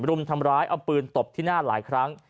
รุมทำร้ายเอาปืนตบที่หน้าหลายครั้ง